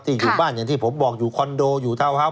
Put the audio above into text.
ที่อยู่บ้านอย่างที่ผมบอกอยู่คอนโดอยู่เท่าไหร่